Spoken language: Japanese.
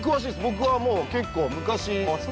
僕はもう結構昔。